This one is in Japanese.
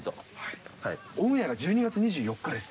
オンエアが１２月２４日です。